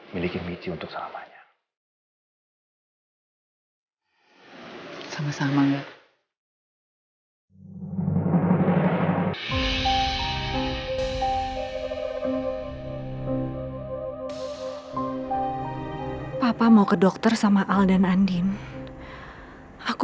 miliki michi untuk selamanya